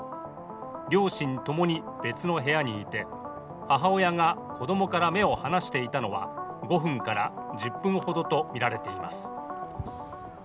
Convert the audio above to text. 両親ともに別の部屋にいて母親が子供から目を離していたのは５分から１０分ほどとみられています。